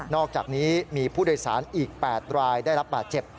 อกจากนี้มีผู้โดยสารอีก๘รายได้รับบาดเจ็บ